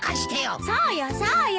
そうよそうよ！